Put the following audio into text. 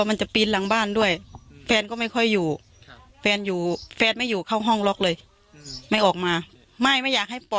มันจะปีนหลังบ้านด้วยแฟนก็ไม่ค่อยอยู่แฟนอยู่แฟนไม่อยู่เข้าห้องล็อกเลยไม่ออกมาไม่ไม่อยากให้ปอ